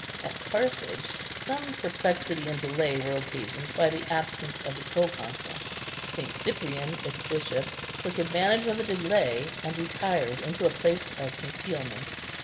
At Carthage some perplexity and delay were occasioned by the absence of the proconsul. St. Cyprian, its bishop, took advantage of the delay, and retired into a place of concealment.